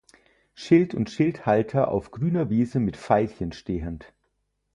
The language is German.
Schild und Schildhalter auf grüner Wiese mit Veilchen stehend.